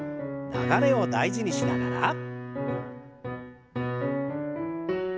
流れを大事にしながら。